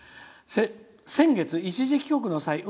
先月、一時帰国の際運